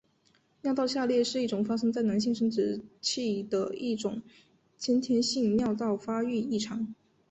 尿道下裂是一种发生在男性生殖器的一种先天性尿道发育异常。